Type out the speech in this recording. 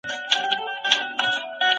هر چا ته خپل حق ورکړئ.